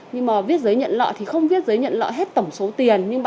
nhưng mà viết giấy nhận lợ thì không viết giấy nhận lợ hết tổng số tiền